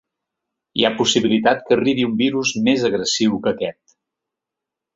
Hi ha possibilitat que arribi un virus més agressiu que aquest.